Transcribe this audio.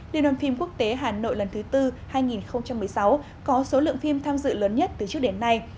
liên hoàn phim quốc tế hà nội lần thứ tư hai nghìn một mươi sáu có số lượng phim tham dự lớn nhất từ trước đến nay